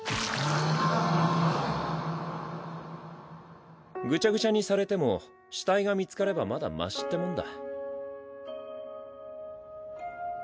ううぐちゃぐちゃにされても死体が見つかればまだマシってもんだ。